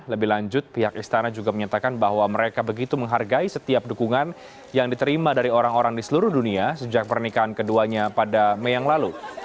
lebih lanjut pihak istana juga menyatakan bahwa mereka begitu menghargai setiap dukungan yang diterima dari orang orang di seluruh dunia sejak pernikahan keduanya pada mei yang lalu